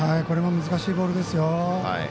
これも難しいボールですよ。